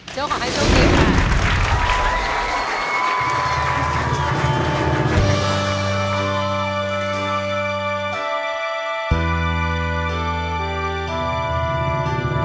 โจ้ขอให้โจ้กินค่ะ